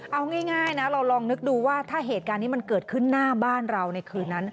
เอาง่ายนะเราลองนึกดูว่าถ้าเหตุการณ์นี้มันเกิดขึ้นหน้าบ้านเราในคืนนั้น